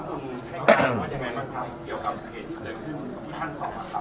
มาพูดดังนิดนึงครับ